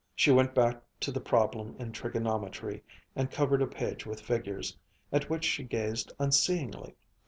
She went back to the problem in trigonometry and covered a page with figures, at which she gazed unseeingly.